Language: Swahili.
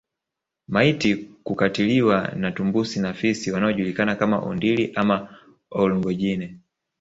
Maiti kukataliwa na tumbusi na fisi wanaojulikana kama Ondili ama Olngojine